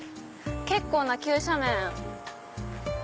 結構な急斜面。